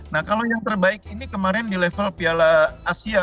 nah kalau yang terbaik ini kemarin di level piala asia